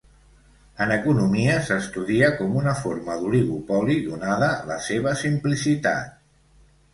En economia s'estudia com una forma d'oligopoli donada la seva simplicitat.